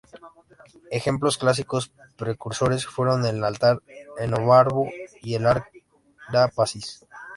Ejemplos clásicos precursores fueron, el "Altar Enobarbo" y el "Ara Pacis".